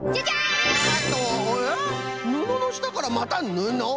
ぬののしたからまたぬの！？